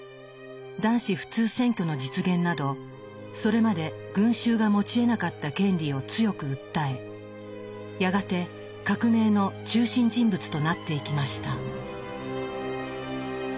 男子普通選挙の実現などそれまで群衆が持ちえなかった権利を強く訴えやがて革命の中心人物となっていきました。